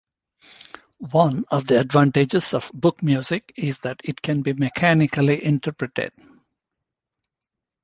One of the advantages of book music is that it can be mechanically interpreted.